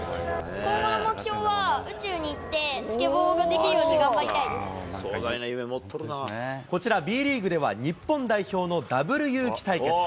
今後の目標は宇宙に行って、スケボーができるように頑張りたこちら、Ｂリーグでは日本代表のダブルゆうき対決。